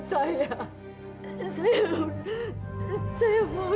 saya mau bersama kamu tolong